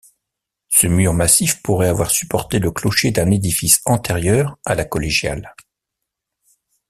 Ce mur massif pourrait avoir supporté le clocher d'un édifice antérieur à la collégiale.